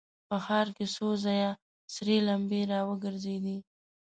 په ښار کې څو ځايه سرې لمبې را وګرځېدې.